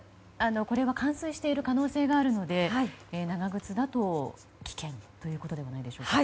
冠水している可能性があるので長靴だと危険ということではないでしょうか。